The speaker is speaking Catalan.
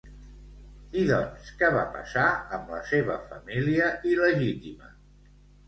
I doncs, què va passar amb la seva família il·legítima?